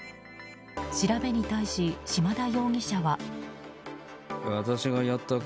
調べに対し、島田容疑者は。